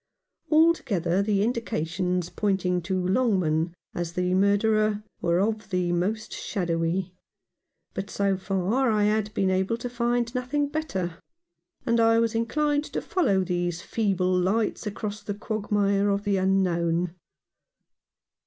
Altogether the indications pointing to Longman as the murderer were of the most shadowy ; but so far I had been able to find nothing better, and I was inclined to follow these feeble lights across the quagmire of the unknown.